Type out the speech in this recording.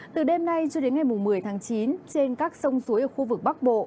từ đêm nay cho đến ngày một mươi tháng chín trên các sông suối ở khu vực bắc bộ